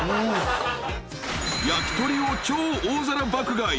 ［焼き鳥を超大皿爆買い。